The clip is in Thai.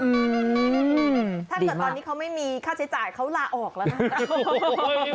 อืมถ้าเกิดตอนนี้เขาไม่มีค่าใช้จ่ายเขาลาออกแล้วนะ